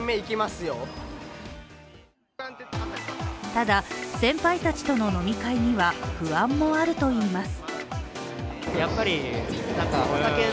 ただ先輩たちとの飲み会には不安もあるといいます。